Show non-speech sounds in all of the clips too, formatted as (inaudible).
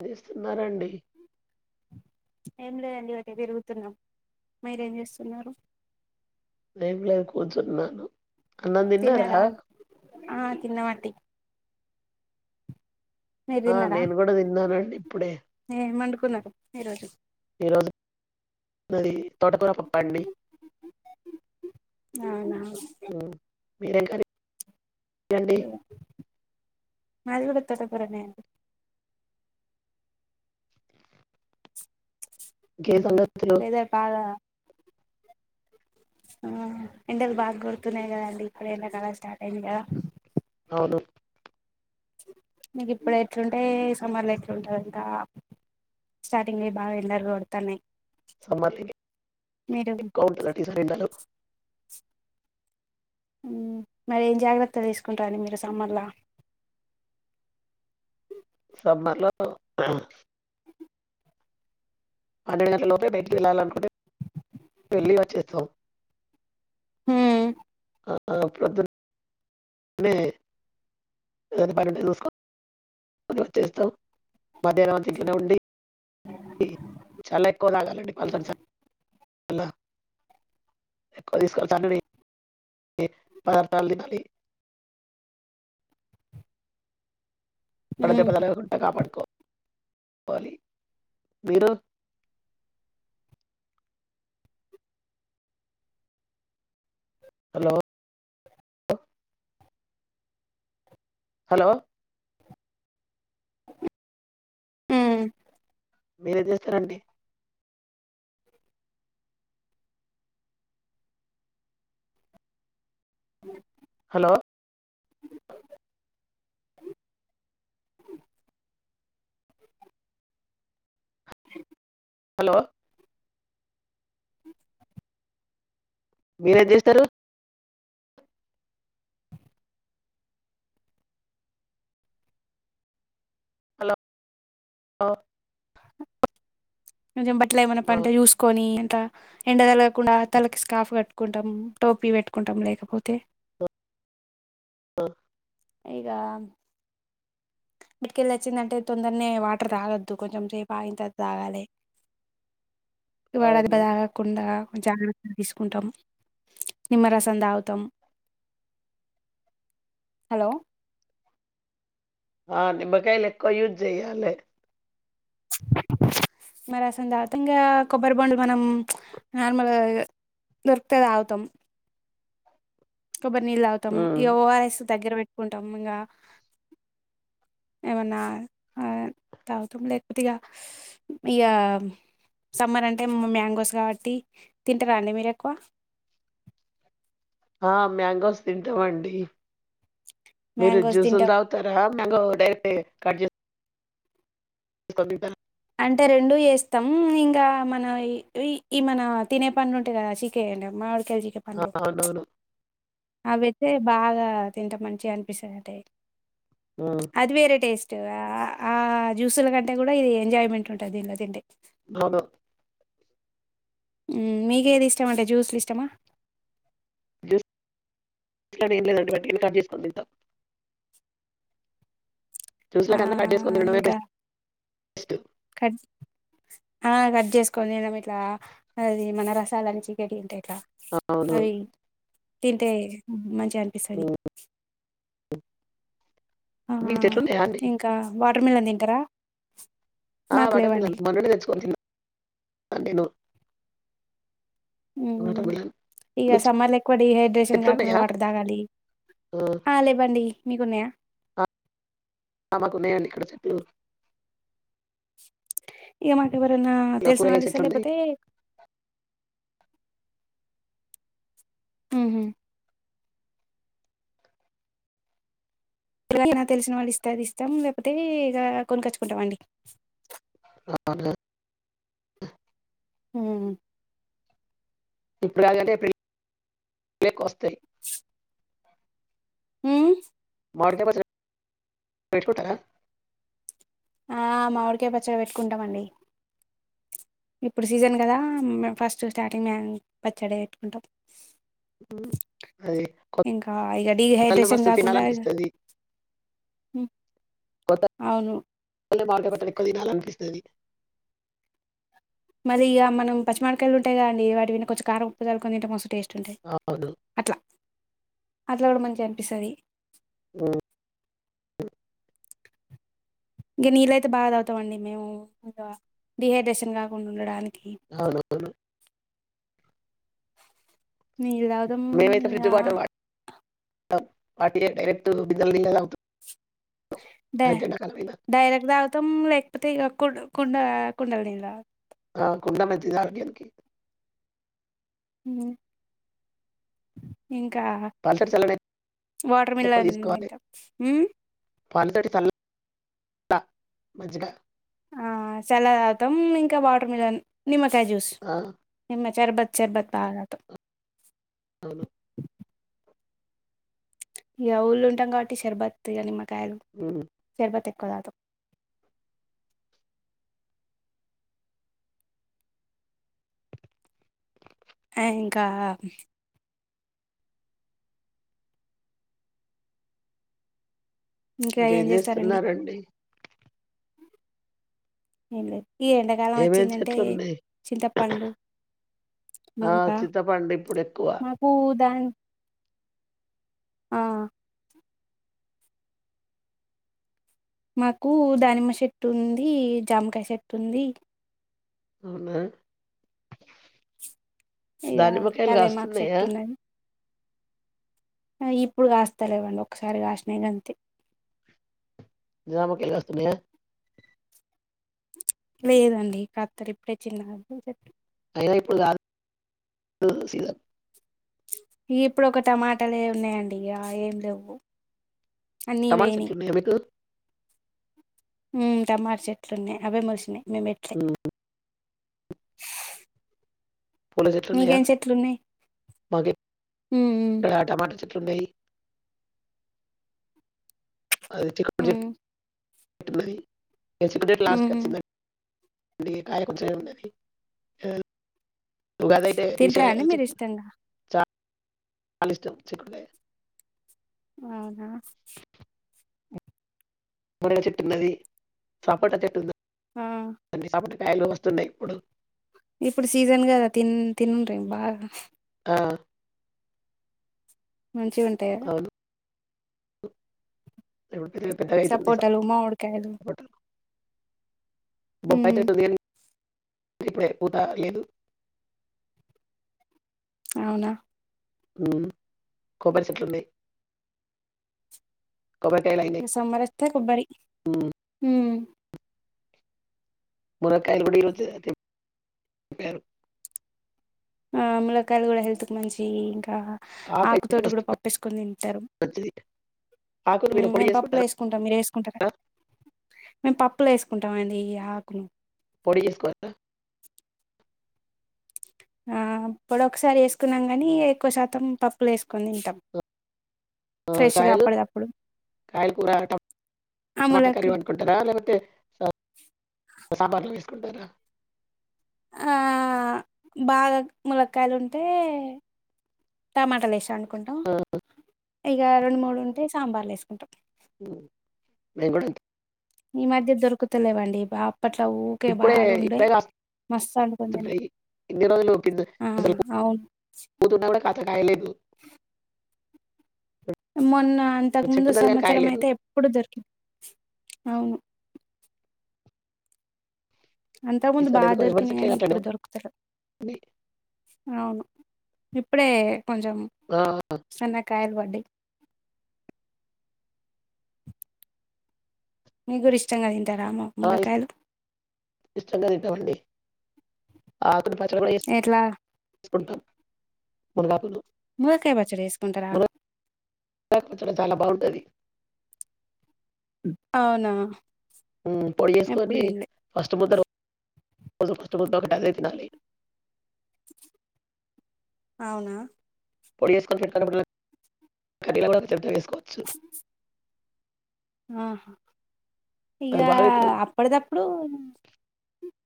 అందేస్తున్నారండి ఏం లేదండి వటిగ తిరుగుతున్నాం మీరేం జేస్తున్నారు ఏం లేదు కూర్చున్నాను తిన్నారా అండీ ఆ తిన్నమాటి ఆ తిన్నారా నేను కూడా తిన్నానండి ఇప్పుడే ఏం వండుకున్నారు ఈరోజు ఈరోజు పది తోటకూర పప్పండి అవునా మీదేం కర్రీ అండి మాదిగూడ తోటకురనే అండి ఊ ఇంకే సంగతులు వేసవికాలం ఆ ఎండలు బాగోడుతున్నాయి కదండి ఇప్పుడే ఎండ కాలం స్టార్టైంది కదా కొందరు మీకిప్పుడే ఇట్లుంటే సమ్మర్ల ఎట్లుంటదో ఇంక స్టార్టింగే బా గేండలుగోడ్తున్నాయ్ సమ్మర్లీ ఎక్కో ఉంటాదాండి ఏండలు ఊ మరేం జాగ్రత్తలు తీసుకుంటారండి మీరు సమ్మర్ల ఆహ్ సమ్మర్లో ఆ పన్నెండు గంటల లోపే బయటికేళ్ళాలనుకుంటే పెళ్ళిల చేత్తో ఊ అ అ అపుడపుడు (unintelligible) మధ్యాహ్నం అంత ఇంట్లనే ఉండి చాలా ఎక్కువలాగాలండి పల్స చార్లా ఎక్కువ తీసుకెళ్ళితండండి పదార్థాలు తినాలి వడదెబ ఉమ్ తగలగుంట కాపాడుకో చెప్పాలి మీరు హలో హలో ఊ మీరేం చేస్తారండి హలో హలో మీరేం జేస్తరు హలో ఒ నిజం బట్ల ఏమైనా ఆ, పంట చూసుకొని త ఎండ తలగకుండా తలకి స్కాఫ్ కట్టుకుంటాం టోపీ పెట్టుకుంటాం లేకపోతే అ ఇగా బటికెళ్ళచ్చిందంటే తొందరనే వాటర్ తాగొద్దు కొంచెం సేపు ఆగిం తరువాత తాగాలే వడ దేబ్బ అవును తాగకుండా జాగ్రతల్ తీసుకుంటాం నిమ్మరసం తాగుతాం హలో ఆ నిమ్మకాయలేక్కువ యూజ్ చెయ్యాలే నిమ్మరసం దాగితే ఇంగా కొబ్బరిబోండం మనం నార్మల్గా దోర్క్తే దాగుతం కొబ్బర్నీళ్ళు తాగుతాం ఉమ్. ఇగ ఓఆర్ఎస్ దగ్గర పెట్టుకుంటాం ఇంకా ఏమన్నా ఆ తాగుతుం లేకపోతే ఇయా సమ్మర్ అంటే మ్యాంగోస్ కాబట్టి తింటారండి మీరేక్కువ ఆ మ్యాంగోస్ తింటమండి మీరు మ్యాంగోస్ జ్యూసులు తింటాం తాగుతారా మ్యాంగో డైరెక్ట్ కట్జేస్ కొణిద అంటే రెండు జేస్తాం ఇంకా మన ఈ మన తినే పండు ఉంటది కదా చికే మా ఆ అవునవును అవితే బాగా తింటా మంచిగా అనిపిస్తుంది అంటే ఉమ్, అది వేరే టేస్ట్ ఆ ఆ జ్యూసుల కంటే కూడా ఇది ఎంజాయ్మెంట్ ఉంటుంది దీన్ని తింటే అవును ఊ మీకేది ఇష్టమ అంటే జ్యూసులు ఇష్టమా జు జ్యూసలు అని ఎంలేదు అండి వట్టిగనే కట్ చేసుకొని తింటాం జ్యూస్ల ఆ కన్నా కట్ చేసుకొని తినడమే ఇంకా బెస్ట్ కట్ హా కట్ చేసుకొనినం ఇట్లా అది మన రసాలాని చికెటి అంటే ఇట్లా అవును అవి తింటే మంచి అనిపిస్తది ఉమ్. హా మీకు చెట్లు ఉన్నాయా అండి ఇంకా వాటర్ మెలన్ తింటారా హా మాకు లేవండి వాటర్మీలోన్ మొన్ననే తెచ్చుకొని తిన్న వాటర్ ఉమ్ మిలన్ ఇక మీకు సమ్మర్లో ఎక్కువ డిహైడ్రేషన్ చెట్లు కాకుండా ఉన్నాయా వాటర్ తాగాలి ఆ లేవండి మీకున్నాయా ఆ మాకు ఉన్నాయండి చెట్లు ఇక మాకూవరైనా ఇలా తెలిసిన కూరగాయ వల్ల చెట్లు ఇస్తారు ఉన్నాయి లేపోతే ఉహు ఎ తెలిసిన వాళ్ళు ఇస్తాది ఇస్తాం లేపోతే ఇక కొనుకొచ్చుకుంటాం అండి ఆలే ఉమ్ ఇప్పుడుగంటే ఏప్రిల్ ఎలక వస్తాయి మ్మ్ మామిడియక పచ్చడి పెట్టుకుంటారా ఆ మామిడికాయ పచ్చడి పెట్టుకుంటామండి ఇప్పుడు సీజన్ కదా ము ఫస్ట్ స్టార్టింగ్ మేము పచ్చడి పెట్టుకుంటాం ఉమ్. అది ఇంకా ఇకా డిహైడ్రేషన్ కాకుండా ఇ పోతే అవును మమ్మడికాయ పచ్చడి ఎక్కువ తినాలి అనిపిస్తది మరి ఇక మన పచ్చమడికాయలు ఉంటాయిదండి వాటి మీద కొంచం కారం ఉప్పు జల్లుకుని తింటే మస్తు టేస్ట్ టాయి అవును అట్లా అట్లా కూడా మంచిగా అనిపిస్తుంది హు హు ఇంక నీళ్ళ అయితే బాగా త అవుతాం అండి మేము ఇంకా డిహైడ్రేషన్ కాకుండా ఉండడానికి అవునువును నీళ్లు తాగుతాం ఇగ పార్టి డైరక్ట్ బిందాల నీలే తాగుతాం డే అది ఎండాకాలమైన డైరెక్ట్ తాగుతాం లేకపోతే ఇక కూ కుండ కుండా నీళ్లు తాగుతాం ఆ కుండా మంచిది ఆరోగ్యానికి ఉమ్ మ్ ఇంకా పల్సటి చల్లనైతే వాటర్మీలోన్ తింటం మ్ పచ్చడి కలపాలి మంచిగా సలాద్ అవుతాం ఇంకా వాటర్ మిలన్ నిమ్మకాయ జ్యూస్ ఆ నిమ్మకా షర్బత్ షర్బత్ తగ్గట్టు అవును ఇక ఊళ్ళు ఉంటాం కాబట్టి షర్బత్ ఇ నిమ్మకాయలు ఉమ్, ర్బత్ ఎక్కువ తాగుతాం ఆ ఇంకా ఇంకా ఏం ఇంకేం చేస్తారండి చేస్తున్నారండి ఏం లేదు ఈ ఎండాకాలం ఏమేం వచ్చిందంటే చెట్లు ఉన్నాయి చింతపండు ఆ మనక చింతపండు ఇప్పుడు ఎక్కువ మాకు దాని ఆ మాకు దానిమ్మ చెట్టు ఉంది జామకాయ చెట్టు ఉంది అవున ఇగ దానిమ్మకాయలు కళ్యామక్ చెట్టు కాస్తున్నాయా ఉన్నది ఇప్పుడు కాస్తా లేవ్ అండి ఒకసారి కాసినై గంతే జామకాయలు కాస్తున్నాయియ లేదండి ఖత్తలె ఇప్పుడే చిన్న చె అయ్యో ఇప్పుడు గాదు సీజన్ ఇ ఇప్పుడోక టమాటలే ఏ ఉన్నాయండి ఇగ ఏం లేవు అన్నీ టమాట్ పోయినాయి చెట్లు ఉన్నాయా మీకు ఉమ్ టమాట చెట్లు ఉన్నయి అవే మోలిసినయి మేం బెట్లే ఉమ్, ఫులు చెట్లు ఉన్నాయా ఉన్నాయి మాక్ హ్మ్. టమాటా చే ట్లున్నాయి అది చిక్కుడు హ్మ్. చెట్ చేస్తున్నదీ ఇగ చికూడ్ లాస్ట్ హ్మ్. హ్మ్. కాచిన్ దా ఇగ కాయ కొంచమ్మే ఉన్నది ఏ ఉగాదైతే తింటరా అండి తిసేయాలె చెట్టు మీరిష్టంగా? చాన్ ఇష్టం చికూడ్కాయ అవునా పూల చెట్టు ఉన్నది సపోటా చెట్టు ఆ! ఉన్నదా సపోట కాయలు వస్తున్నాయి ఇప్పుడు ఇప్పుడు సీజన్ కదా తిం తినుంరి బాగా ఆ మంచి ఉంటాయా అవును (inaudible) పెద్దగౌతుంది స సపోటాలు, మామిడికాయలు. సపోటా బొప్పాయి హ్మ్. చెట్టు వుంది గాని ఇప్పుడే పుతా లేదు అవునా ఉమ్ కోబ్బరి చెట్లు ఉన్నాయి కొబ్బరికాయలు అయినాయి ఇగ సమ్మర్ ఒస్తే కొబ్బరి ఉమ్, మ్ మున్నక్కాయలు కూడా ఈరోజె తింప్పారు ఆ ములకాయలు కూడా హెల్త్ క్ మంచి ఇగ ఇంకా ఆకైతే ఆకుతోటి కూడా మస్తు పప్పేసుకొని తింటారు మంచిది ఆకులు మీరు మ్ పొడి మేము పప్పులో చేసుకుంటారా ఎసుకుంటాం మీరు ఎసుకుంటారా మేము పప్పులొ ఎసుకుంటాం అండి ఈ ఆకును పోడి చేసుకోవధా ఆ పొడి ఒకసారి ఎసుకున్నాం కానీ ఎక్కువ శాతం పప్పులు ఎసుకుని తింటాం ఆ ఫ్రెష్‌గా కాయలు అప్పడిదప్పుడు. కాయలు కూర టామ్ ఆ టమాటా ములక్క కర్రీ వండుకుంటరా లేకపోతే స సాంబార్ లో వేసుకుంటారా ఆ అ బాగా ములక్కయలు ఉంటే టమాటాల ఏసీ అండ్ కుంటాం ఆ, ఇగా రెండు మూడు ఉంటే సాంబార్లు వేసుకుంటాం మ్ మేం కూడా అంతే ఈ మధ్య దొరుకుతలేవండి అప్పట్లో ఊకే ఇప్పుడే బాగుండే ఇప్పుడే మస్త్ అండుకోని తిన్నం కాస్తుంటాయి ఇన్ని రోజులు కింద మేం ఆ అవ్ను పాతకాయ లేదు మొన్న అంతక ముందు కానీ సంవత్సరం కాయలేదు అయితే ఎప్పుడు దొరికింది అవును అంతా ముందు ఈసారి బాగా ఎందుకో ఎవరి దొరికింది చెట్లే కానీ అట్లనే ఇప్పుడు దొరుకుతాలేవ్ ఉంది అవును అప్పుడే కొంచం ఆ, సనగా కాయలు పడై మిక్ గూడ ఇష్టంగా తింటారా ఇంక రామం ఆ, ఇస్- ముల్లకాయలు ఇష్టంగా తింటామండి. ఆకుల పచ్చడీ కూడా ఎట్లా చేస్ కుంటాం మునుగకులు. ములక్కాయ పచ్చడి వేసుకుంటారా (unintelligible) చాలా బాగుంటది అవునా ఉమ్ పొడి ఎప్పుడు చేస్కోనీ తినలే ఫస్ట్ ముద్ర. అది ఫస్ట్ ముద్ద ఒక్కటీ అదే తినాలి. అవునా. పొడి చేస్కోని పెట్టుకున్నప్పుడల్లా కడియాలంతవేస్కోవచ్చూ. ఆహా అది ఇగా బాగా ఇప్పుడు అప్పడిదప్పుడు.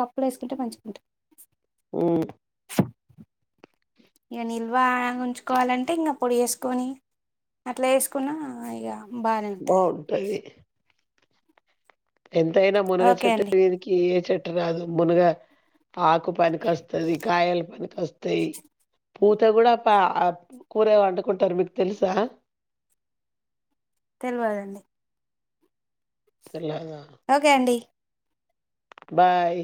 పప్పులేస్కుంటే మంచిగుంటది. ఉమ్. ఇక నిల్వా ఉంచుకోవాలంటే ఇంక పొడిచేస్కోనీ. అట్లా ఏస్కున్నా ఇగా. బాగుంటది. ఎంతైనా మునగ ఓకే చెట్టు అండి మీదికి ఏ చెట్టు రాదు మునగ. ఆకు పనికొస్తది కాయలు పనికొస్తాయి. పూత కూడా పా కూర వండుకుంటారు మీకు తెల్సా. తెల్వదండి. ఎలాగా. ఓకే అండి. బాయ్.